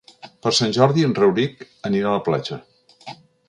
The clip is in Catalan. Per Sant Jordi en Rauric anirà a la platja.